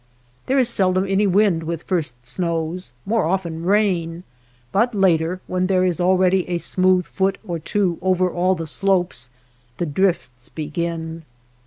There is seldom any wind with first snows, more often rain, but later, when there is already a smooth foot or two over all the slopes, the drifts begin.